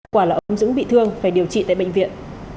quả là ông dững bị thương phải điều trị tại bệnh viện